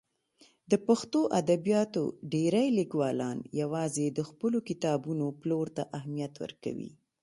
د پښتو ادبیاتو ډېری لیکوالان یوازې د خپلو کتابونو پلور ته اهمیت ورکوي.